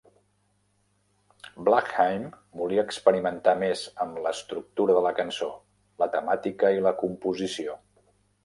Blakkheim volia experimentar més amb l'estructura de la cançó, la temàtica i la composició.